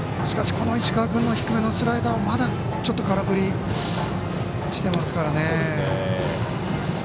石川君の低めのスライダーもまだちょっと空振りしてますから。